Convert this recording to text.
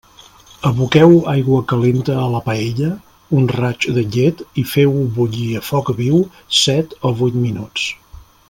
Aboqueu aigua calenta a la paella, un raig de llet i feu-ho bullir a foc viu set o vuit minuts.